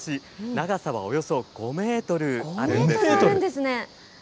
長さはおよそ５メートルあそんなにあるんですね。